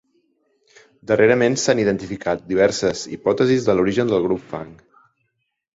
Darrerament s'han identificat diverses hipòtesis de l'origen del grup fang.